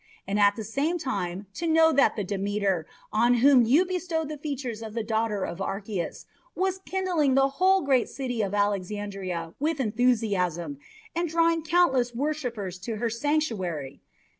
And at the same time to know that the Demeter, on whom you bestowed the features of the daughter of Archias, was kindling the whole great city of Alexandria with enthusiasm, and drawing countless worshippers to her sanctuary!